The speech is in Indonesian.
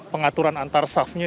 pengaturan antar safnya